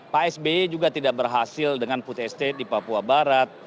pak sby juga tidak berhasil dengan food estate di papua barat